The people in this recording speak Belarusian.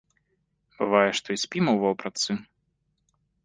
Бывае, што і спім у вопратцы.